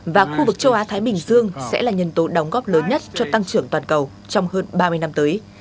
và khu vực châu á thái bình dương sẽ là nhân tố đóng góp lớn nhất cho tăng trưởng toàn cầu trong hơn ba mươi năm tới